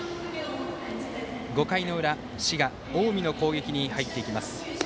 ５回の裏滋賀・近江の攻撃に入っていきます。